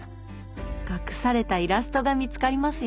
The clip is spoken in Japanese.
隠されたイラストが見つかりますよ。